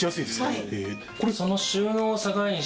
はい。